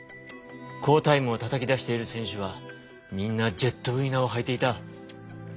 好タイムをたたきだしている選手はみんなジェットウィナーをはいていた。